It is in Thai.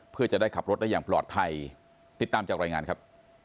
เพื่อจะได้ขับรถได้อย่างปลอดภัยติดตามจากรายงานครับ